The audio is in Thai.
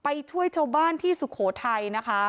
ไปช่วยเช้าบ้านที่สุโขทัย